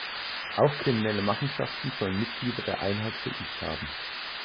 Auch Kriminelle Machenschaften sollen Mitglieder der Einheit verübt haben.